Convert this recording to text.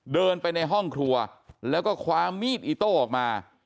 เดินไปในห้องครัวแล้วก็คว้ามีดอิโต้ออกมา